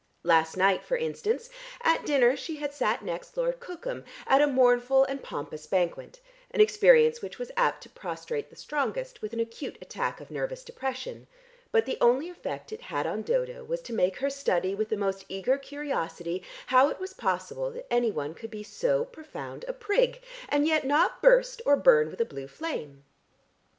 Last night, for instance, at dinner she had sat next Lord Cookham at a mournful and pompous banquet, an experience which was apt to prostrate the strongest with an acute attack of nervous depression, but the only effect it had on Dodo was to make her study with the most eager curiosity how it was possible that any one could be so profound a prig, and yet not burst or burn with a blue flame.